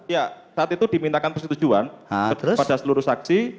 ya saat itu dimintakan persetujuan kepada seluruh saksi